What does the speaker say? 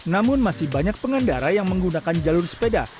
namun masih banyak pengendara yang menggunakan jalur sepeda